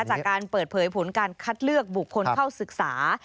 จากการเปิดเผยผลการคัดเลือกบุคคลเข้าศึกษา